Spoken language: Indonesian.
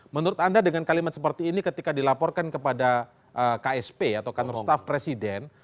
menurut anda dengan kalimat seperti ini ketika dilaporkan kepada ksp atau kantor staff presiden